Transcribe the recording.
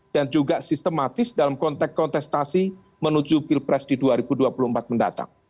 dan juga sistematis dalam konteks kontestasi menuju pilpres di dua ribu dua puluh empat mendatang